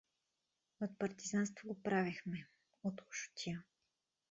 От партизанство го правехме, от лошотия.